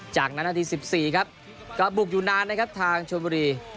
จากนั้นนาที๑๔ครับก็บุกอยู่นานนะครับทางชนบุรี